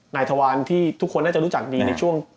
ทวารที่ทุกคนน่าจะรู้จักดีในช่วง